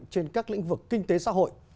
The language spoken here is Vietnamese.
trên các lĩnh vực kinh tế xã hội